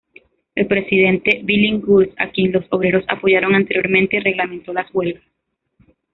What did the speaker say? El Presidente Billinghurst, a quien los obreros apoyaron anteriormente, reglamentó las huelgas.